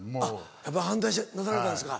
やっぱ反対なされたんですか。